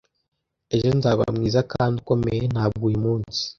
ejo nzaba mwiza kandi ukomeye ntabwo uyu munsi